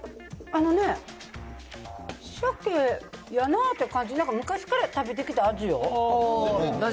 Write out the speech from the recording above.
あのね、鮭やなって感じ、なんか昔から食べてきた味よ。